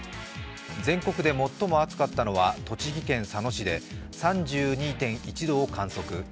全国で最も暑かったのは栃木県佐野市で３２．１度を観測。